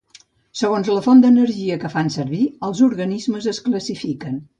Segons la font d'energia que fan servir, els organismes es classifiquen